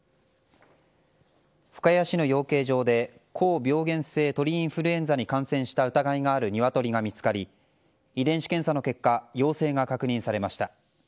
深谷市の養鶏場で高病原性鳥インフルエンザに感染した疑いがあるニワトリが見つかり遺伝子検査の結果陽性が確認されました。